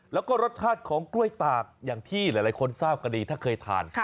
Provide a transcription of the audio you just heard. แล้วก็รสชาติของกล้วยตากอย่างที่หลายคนทราบกันดีถ้าเคยทาน